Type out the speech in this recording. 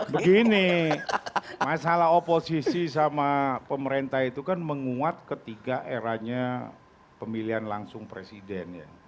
begini masalah oposisi sama pemerintah itu kan menguat ketiga eranya pemilihan langsung presiden ya